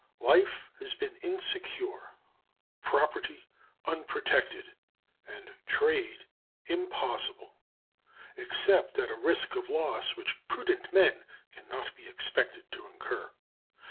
Life has been insecure, property unprotected, and trade impossible except at a risk of loss which prudent men can not be expected to incur.